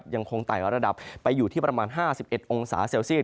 ไต่ระดับไปอยู่ที่ประมาณ๕๑องศาเซลเซียต